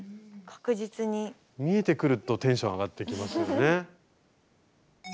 見えてくるとテンション上がってきますよね。